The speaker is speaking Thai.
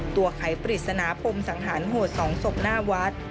ตัวไขปริศนาปมสังหารโหดสองศพหน้าวัด